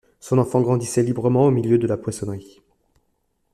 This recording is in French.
Son enfant grandissait librement au milieu de la poissonnerie.